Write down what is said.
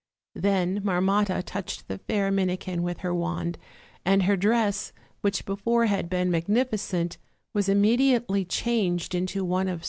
Then Marmotta touched the fair Minikin with her wand, and her dress, which before had been magnificent, was immediately changed into one of.